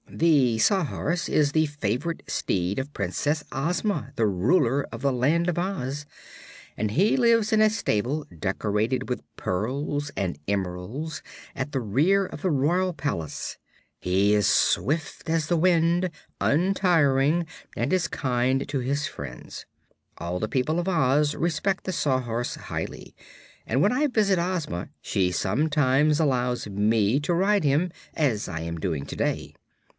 "The Sawhorse is the favorite steed of Princess Ozma, the Ruler of the Land of Oz, and he lives in a stable decorated with pearls and emeralds, at the rear of the royal palace. He is swift as the wind, untiring, and is kind to his friends. All the people of Oz respect the Sawhorse highly, and when I visit Ozma she sometimes allows me to ride him as I am doing to day.